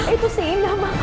itu sih indah mak